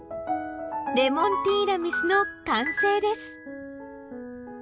レモンティーラミスの完成です。